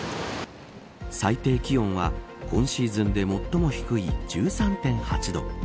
最低気温は今シーズンで最も低い１３．８度。